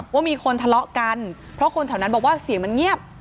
ว่ามีคนทะเลาะกันเพราะคนแถวนั้นบอกว่าเสียงมันเงียบ